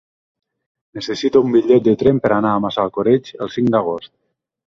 Necessito un bitllet de tren per anar a Massalcoreig el cinc d'agost.